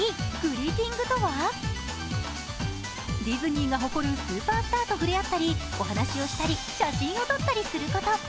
ディズニーが誇るスーパースターと触れ合ったりお話をしたり、写真を撮ったりすること。